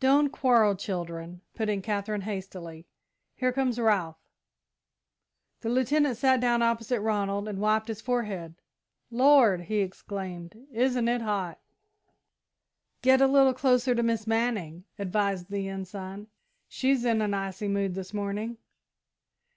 "Don't quarrel, children," put in Katherine, hastily. "Here comes Ralph." The Lieutenant sat down opposite Ronald and wiped his forehead. "Lord!" he exclaimed, "isn't it hot!" "Get a little closer to Miss Manning," advised the Ensign. "She's in an icy mood this morning."